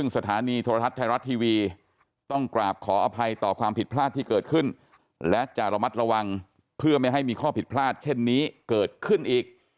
สถานีโทรทัศน์ไทยรัฐทีวีต้องกราบขออภัยต่อความผิดพลาดที่เกิดขึ้นและจะระมัดระวังเพื่อไม่ให้มีข้อผิดพลาดเช่นนี้เกิดขึ้นอีก